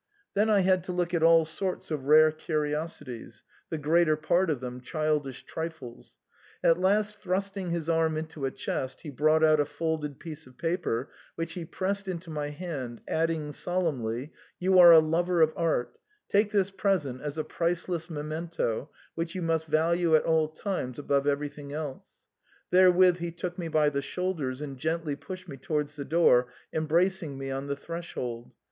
Then I had to look at all sorts of rare curiosities, the greater part of them childish trifles ; at last thrusting his arm into a chest, he brought out a folded piece of paper, which he pressed into my hand, adding solemnly, " You are a lover of art ; take this present as a priceless memento, which you must value at all times above everything else." Therewith he took me by the shoul ders and gently pushed me towards the door, embracing me on the threshold.